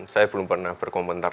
saya belum pernah berkomentar